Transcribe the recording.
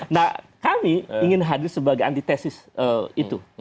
nah kami ingin hadir sebagai antitesis itu